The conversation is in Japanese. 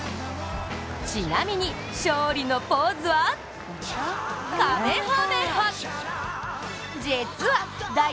ちなみに勝利のポーズはかめはめ波！